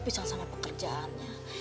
pisah sama pekerjaannya